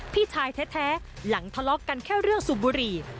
พี่ชายแท้หลังทะเลาะกันแค่เรื่องสูบบุหรี่